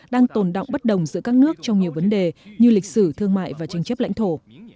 đang tồn đọng bất đồng giữa các nước trong nhiều vấn đề như lịch sử thương mại và tranh chấp lãnh thổ